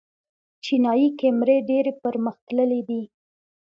چینايي کیمرې ډېرې پرمختللې دي.